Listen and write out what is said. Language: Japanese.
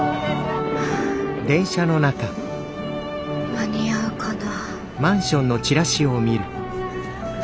間に合うかな。